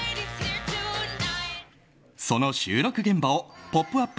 その収録現場を「ポップＵＰ！」